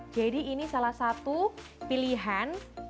jadi ini salah satu pilihan